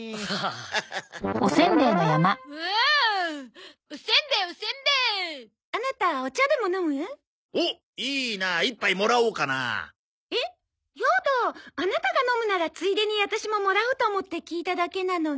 アナタが飲むならついでにワタシももらおうと思って聞いただけなのに。